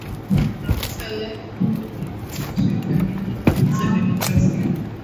profesa lari gumbe mwenyekiti wa shirika linalohimiza demokrasia